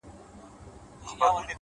زما د زړه گلونه ساه واخلي;